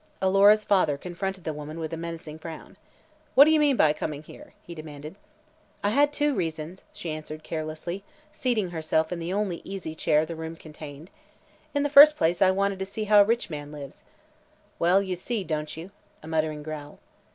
Alora's father confronted the woman with a menacing frown. "What do you mean by coming here?" he demanded. "I had two reasons," she answered carelessly, seating herself in the only easy chair the room contained. "In the first place, I wanted to see how a rich man lives." "Well, you see, don't you?" a muttering growl.